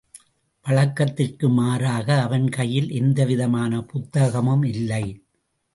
வழக்கத்திற்கு மாறாக அவன் கையில் எந்தவிதமான புத்தகமும் இல்லை.